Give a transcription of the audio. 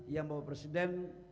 yang bapak presiden